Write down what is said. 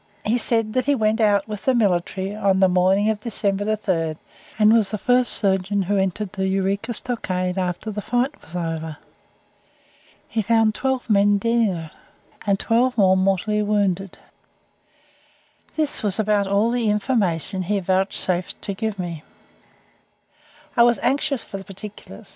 He said that he went out with the military on the morning of December 3rd, and was the first surgeon who entered the Eureka Stockade after the fight was over. He found twelve men dead in it, and twelve more mortally wounded. This was about all the information he vouchsafed to give me. I was anxious for particulars.